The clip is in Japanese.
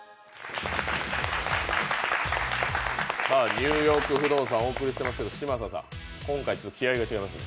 「ニューヨーク不動産」お送りしてますけど嶋佐さん、今回は気合いが違いますね。